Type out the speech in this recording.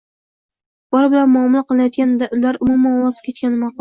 bola bilan muomala qilayotganda ulardan umuman voz kechgan ma’qul.